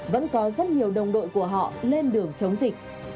vẫn có rất nhiều đồng đội của họ lên đường chống dịch